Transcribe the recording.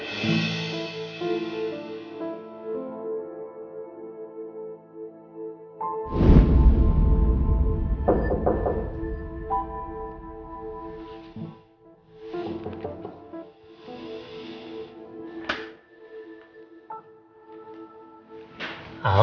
terima kasih pak